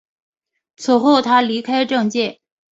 此后他离开政界。